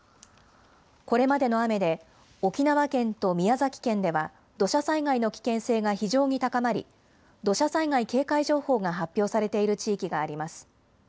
これまでの雨で、沖縄県と宮崎県では土砂災害の危険性が非常に高まり、土砂災害警戒情報が発表されている地域があります。